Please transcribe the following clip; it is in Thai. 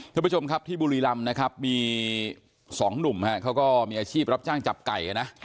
ทุกผู้ชมครับที่บุรีรำนะครับมีสองหนุ่มเขาก็มีอาชีพรับจ้างจับไก่นะ